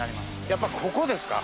やっぱりここですか。